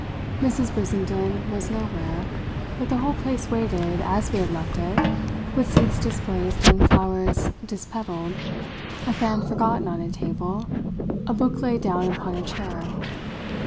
Mrs. Brissenden was nowhere, but the whole place waited as we had left it, with seats displaced and flowers dispetalled, a fan forgotten on a table, a book laid down upon a chair.